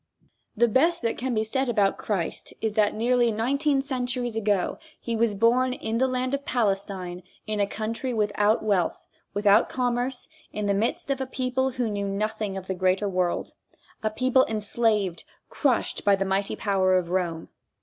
The best that can be said about Christ is that nearly nineteen centuries ago he was born in the land of Palestine in a country without wealth, without commerce, in the midst of a people who knew nothing of the greater world a people enslaved, crushed by the mighty power of Rome.